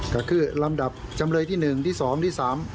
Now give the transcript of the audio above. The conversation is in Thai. ก็คือลำดับจำเลยที่๑ที่๒ที่๓